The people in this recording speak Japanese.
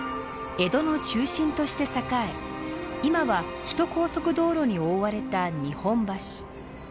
江戸の中心として栄え今は首都高速道路に覆われた日本橋。